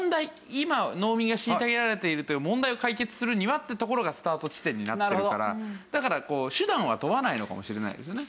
今農民が虐げられているという問題を解決するにはってところがスタート地点になってるからだから手段は問わないのかもしれないですよね。